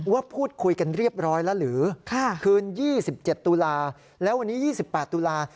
ว่าพูดคุยกันเรียบร้อยแล้วหรือคืน๒๗ตุลาแล้ววันนี้๒๘ตุลา